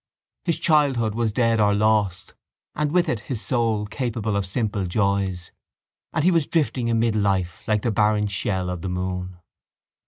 His childhood was dead or lost and with it his soul capable of simple joys and he was drifting amid life like the barren shell of the moon.